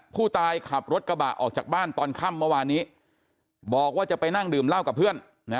ผู้ตายขับรถกระบะออกจากบ้านตอนค่ำเมื่อวานนี้บอกว่าจะไปนั่งดื่มเหล้ากับเพื่อน